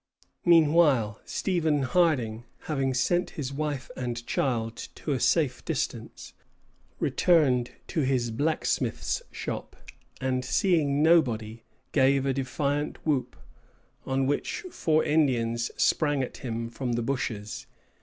Meanwhile Stephen Harding, having sent his wife and child to a safe distance, returned to his blacksmith's shop, and, seeing nobody, gave a defiant whoop; on which four Indians sprang at him from the bushes.